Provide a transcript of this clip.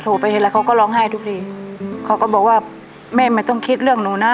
ไปทีแล้วเขาก็ร้องไห้ทุกทีเขาก็บอกว่าแม่ไม่ต้องคิดเรื่องหนูนะ